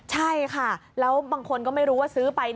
ใช่ค่ะแล้วบางคนก็ไม่รู้ว่าซื้อไป